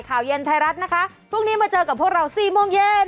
ข่าวเย็นไทยรัฐนะคะพรุ่งนี้มาเจอกับพวกเรา๔โมงเย็น